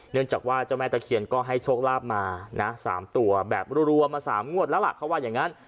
เนื่องจากว่าเจ้าแม่ตะเคียนก็ให้โชคลาภมานะ๓ตัวแบบรัวมา๓งวดแล้วล่ะเขาว่าอย่างนั้น